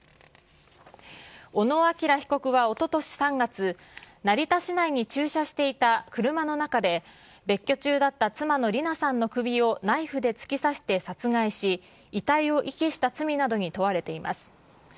小野陽被告はおととし３月、成田市内に駐車していた車の中で、別居中だった妻の理奈さんの首をナイフで突き刺して殺害し、遺体を遺棄した罪などに問われています。